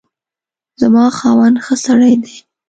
زما خاوند ښه سړی دی